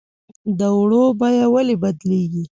د اوړو بیه ولې بدلیږي؟